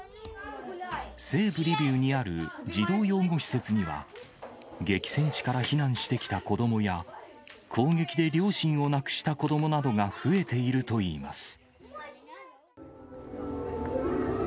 西部リビウにある児童養護施設には、激戦地から避難してきた子どもや、攻撃で両親を亡くした子どもなどが増えているといいます。